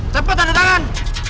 cepet tanda tangan